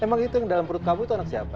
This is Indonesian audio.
emang itu yang dalam perut kamu itu anak siapa